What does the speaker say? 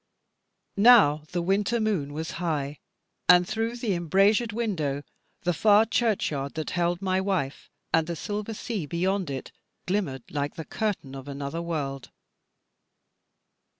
Now the winter moon was high, and through the embrasured window, the far churchyard that held my wife, and the silver sea beyond it, glimmered like the curtain of another world.